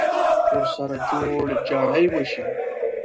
ورسره جوړ جاړی وشي.